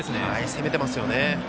攻めてますよね。